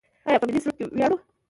آیا په ملي سرود ویاړو؟